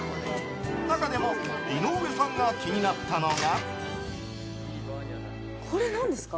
中でも井上さんが気になったのが。